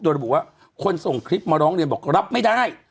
โดยระบุว่าคนส่งคลิปมาร้องเรียนบอกรับไม่ได้